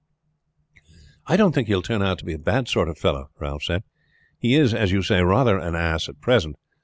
"I don't think he will turn out a bad sort of fellow," Ralph said. "He is, as you say, rather an ass at present.